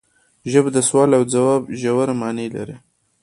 ژبه د سوال او ځواب ژوره معنی لري